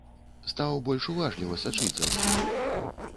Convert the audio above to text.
Стаў больш уважліва сачыць за ўсім.